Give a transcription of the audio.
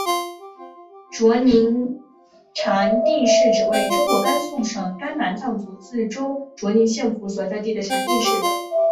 卓尼禅定寺指位于中国甘肃省甘南藏族自治州卓尼县府所在地的禅定寺。